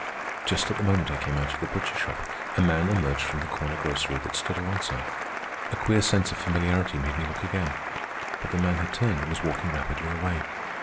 Just at the moment I came out of the butcher shop, a man emerged from the corner grocery that stood alongside. A queer sense of familiarity made me look again. But the man had turned and was walking rapidly away.